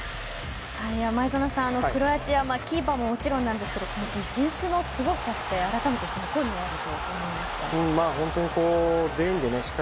前園さん、クロアチアキーパーももちろんですがディフェンスのすごさって改めて、どこにあると思いますか。